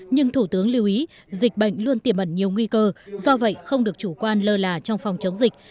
nhưng thủ tướng lưu ý dịch bệnh luôn tiềm mẩn nhiều nguy cơ do vậy không được chủ quan lơ là trong phòng chống dịch